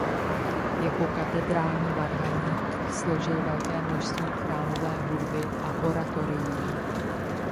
Jako katedrální varhaník složil velké množství chrámové hudby a oratorií.